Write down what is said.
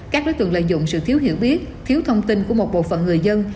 các đối tượng lợi dụng sự thiếu hiểu biết thiếu thông tin của một bộ phận người dân